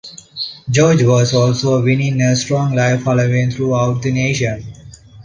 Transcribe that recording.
George was also winning a strong live following throughout the nation.